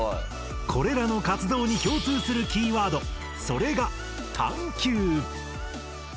これらの活動に共通するキーワード